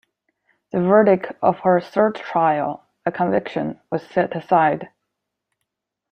The verdict of her third trial, a conviction, was set aside.